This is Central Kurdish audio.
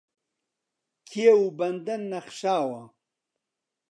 کێو و بەندەن نەخشاوە